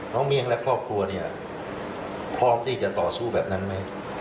น้องเมียงและครอบครัวพร้อมที่จะต่อสู้แบบนั้นไหม